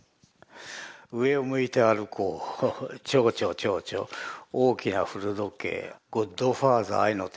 「上を向いて歩こう」「ちょうちょちょうちょ」「大きな古時計」「ゴッドファーザー愛のテーマ」